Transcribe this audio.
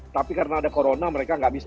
tapi karena ada corona mereka nggak bisa